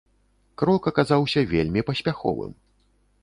Крок аказаўся вельмі паспяховым.